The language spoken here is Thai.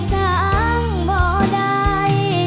กะหัวบ่ได้ยัง